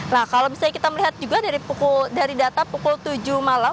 nah kalau misalnya kita melihat juga dari data pukul tujuh malam